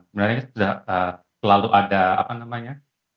sebenarnya selalu ada apa namanya